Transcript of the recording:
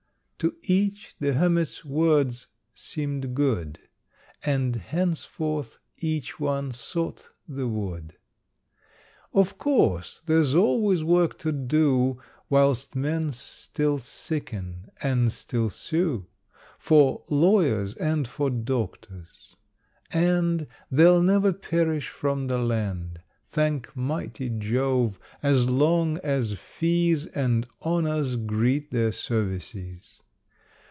To each the Hermit's words seemed good, And, henceforth, each one sought the wood. Of course, there's always work to do, Whilst men still sicken, and still sue, For lawyers and for doctors; and They'll never perish from the land, Thank mighty Jove, as long as fees And honours greet their services.